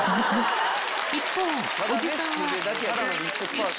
一方、おじさんは。